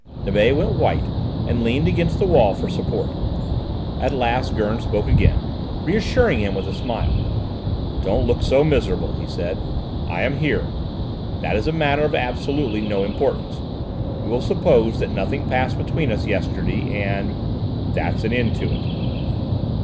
Nibet went white, and leaned against the wall for support. At last Gurn spoke again, reassuring him with a smile. "Don't look so miserable," he said. "I am here. That is a matter of absolutely no importance. We will suppose that nothing passed between us yesterday, and that's an end to it."